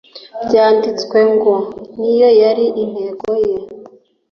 “Byanditswe ngo”, ni yo yari intero ye